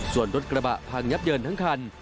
ส่วนรถกระบะพังยับเยินทั้งคัน